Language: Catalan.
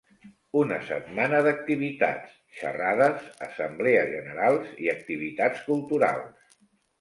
Una setmana d’activitats: xerrades, assemblees generals i activitats culturals.